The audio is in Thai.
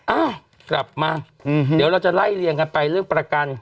อ้าวกลับมาเดี๋ยวเราจะไล่เรียงกันไปเรื่องประกัน